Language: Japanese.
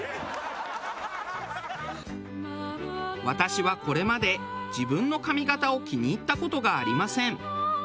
私はこれまで自分の髪形を気に入った事がありません。